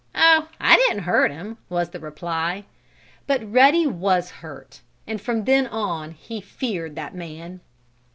"Oh, I didn't hurt him," was the reply. But Ruddy was hurt, and from then on he feared that man.